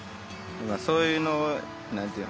そういうのを何て言うの？